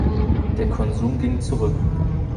Der Konsum ging zurück.